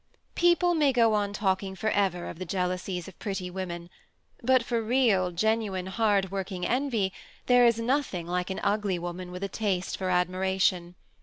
People may go on talking forever of the jealousies of pretty women; but for real genuine, hard working envy, there is nothing like an ugly woman with a taste for admiration.